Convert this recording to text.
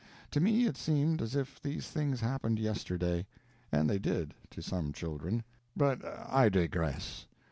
To me it seems as if these things happened yesterday. And they did, to some children. But I digress.